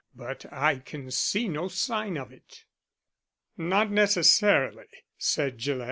But I can see no sign of it." "Not necessarily," said Gillett.